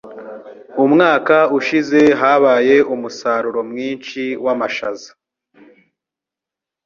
Umwaka ushize habaye umusaruro mwinshi wamashaza.